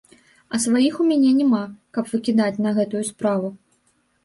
А сваіх у мяне няма, каб выкідаць на гэтую справу.